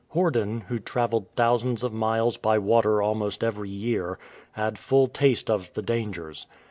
Horden, who travelled thousands of miles by water almost every year, had full taste of the dangers.